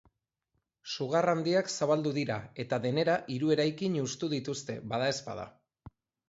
Sugar handiak zabaldu dira, eta denera hiru eraikin hustu dituzte, badaezpada.